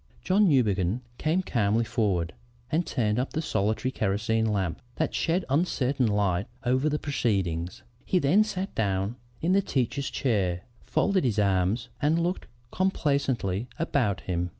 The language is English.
"John Newbegin came calmly forward and turned up the solitary kerosene lamp that shed uncertain light over the proceedings. He then sat down in the teacher's chair, folded his arms, and looked complacently about him.